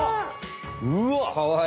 うわ！